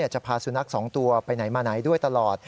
จะพาสุนัข๒ตัวไปไหนมาไหนด้วยตลอด